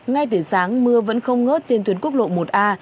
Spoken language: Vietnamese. ngay từ sáng mưa vẫn không ngớt trên tuyến quốc lộ một a